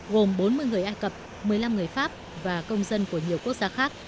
gồm bốn mươi người ai cập một mươi năm người pháp và công dân của nhiều quốc gia khác